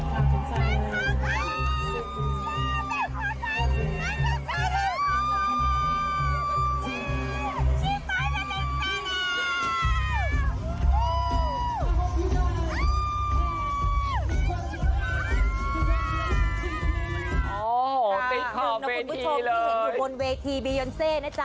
คุณผู้ชมที่เห็นอยู่บนเวทีบียอนเซ่นะจ๊ะ